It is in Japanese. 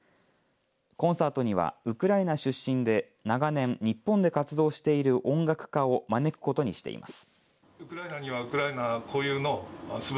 コンサートにはウクライナ出身で長年、日本で活動している音楽家を招くことにしています。